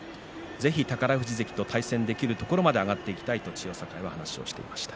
ぜひ宝富士関と対戦できるところまで上がっていきたいと千代栄は話をしてました。